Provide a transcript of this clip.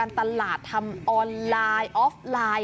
นี่คือเทคนิคการขาย